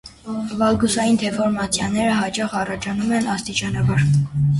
Վալգուսային դեֆորմացիաները հաճախ առաջանում են աստիճանաբար։